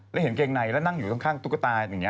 แล้วเห็นเกงไนแล้วนั่งอยู่ข้างตุ๊กตา